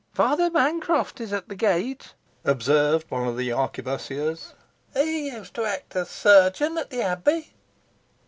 "Father Bancroft is at the gate," observed one of the arquebussiers; "he used to act as chirurgeon in the abbey."